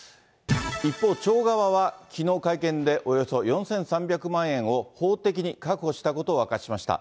一方、町側は、きのう会見で、およそ４３００万円を法的に確保したことを明かしました。